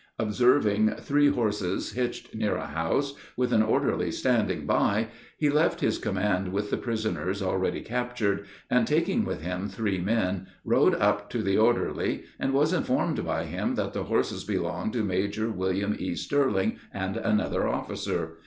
Observing three horses hitched near a house, with an orderly standing by, he left his command with the prisoners already captured, and taking with him three men, rode up to the orderly and was informed by him that the horses belonged to Major William E. Sterling and another officer.